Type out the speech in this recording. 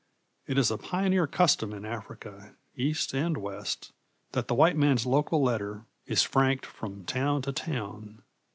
It is a pioneer custom in Africa, east and west, that the white man's local letter is franked from town to town.